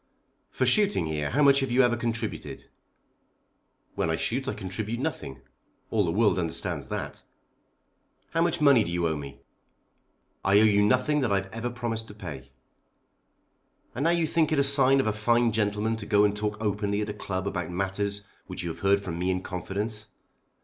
"For shooting here, how much have you ever contributed?" "When I shoot I contribute nothing. All the world understands that." "How much money do you owe me?" "I owe you nothing that I've ever promised to pay." "And now you think it a sign of a fine gentleman to go and talk openly at a club about matters which you have heard from me in confidence!